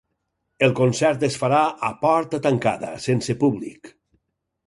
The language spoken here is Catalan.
El concert es farà a porta tancada, sense públic.